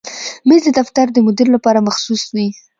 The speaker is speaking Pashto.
مېز د دفتر د مدیر لپاره مخصوص وي.